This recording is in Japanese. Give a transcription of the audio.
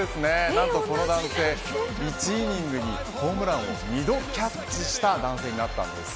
なんとこの男性１イニングにホームランを２度キャッチした男性だったんです。